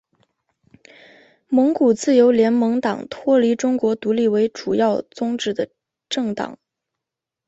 蒙古自由联盟党脱离中国独立为主要宗旨的政党。